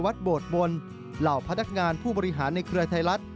วัดโบดบลเหล่าพระดักงานผู้บริหารในเครือไทยรัตน์